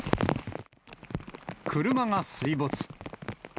車が水没。